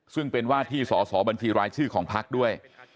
ซึ่งเป็นว่าที่สอสอบัญชีรายชื่อของพักด้วย